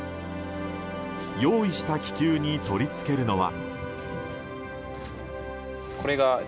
用意した気球に取り付けるのは。